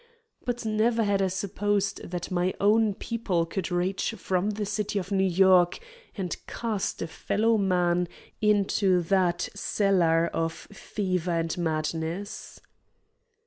But never had I supposed that my own people could reach from the city of New York and cast a fellow man into that cellar of fever and madness.